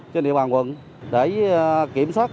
trên địa bàn quận để kiểm soát